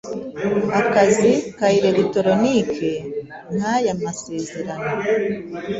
akazi ka elegitoronike nkaya masezerano